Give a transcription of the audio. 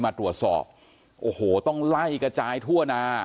มาตรวจสอบโอ้โหต้องไล่กระจายทั่วนา